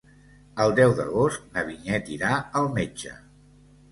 El deu d'agost na Vinyet irà al metge.